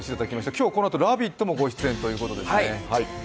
今日このあと「ラヴィット！」もご出演ということですね。